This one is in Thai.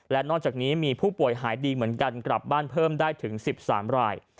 และนอกจากนี้มีผู้ป่วยหายดีเหมือนกันกลับบ้านเพิ่มได้ถึง๑๓ราย